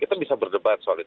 kita bisa berdebat solid